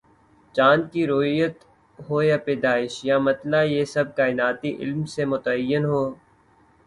چاند کی رویت ہو یا پیدائش یا مطلع، یہ سب کائناتی علم سے متعین ہوں۔